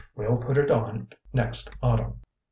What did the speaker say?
We'll put it on next Autumn."